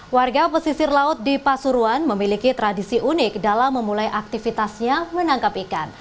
warga pesisir laut di pasuruan memiliki tradisi unik dalam memulai aktivitasnya menangkap ikan